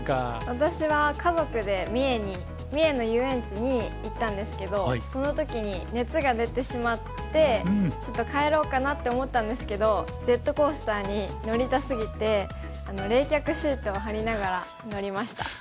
私は家族で三重の遊園地に行ったんですけどその時に熱が出てしまってちょっと帰ろうかなって思ったんですけどジェットコースターに乗りた過ぎて冷却シートを貼りながら乗りました。